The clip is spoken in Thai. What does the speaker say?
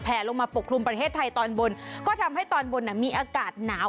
ลงมาปกคลุมประเทศไทยตอนบนก็ทำให้ตอนบนมีอากาศหนาว